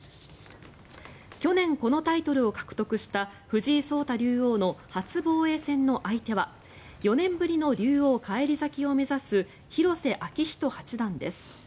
去年このタイトルを獲得した藤井聡太竜王の初防衛戦の相手は４年ぶりの竜王返り咲きを目指す広瀬章人八段です。